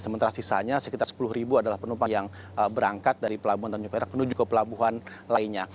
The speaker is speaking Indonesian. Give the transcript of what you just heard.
sementara sisanya sekitar sepuluh ribu adalah penumpang yang berangkat dari pelabuhan tanjung perak menuju ke pelabuhan lainnya